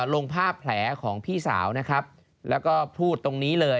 ลงภาพแผลของพี่สาวนะครับแล้วก็พูดตรงนี้เลย